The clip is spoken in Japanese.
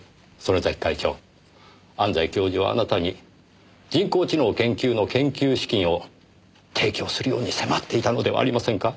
曾根崎会長安西教授はあなたに人工知能研究の研究資金を提供するように迫っていたのではありませんか？